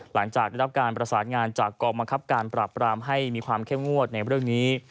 หลังจากได้รับการประสานงานจากกองบังคับการปราบปรามให้มีความเข้มงวดในเรื่องนี้